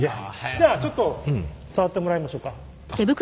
じゃあちょっと触ってもらいましょうか。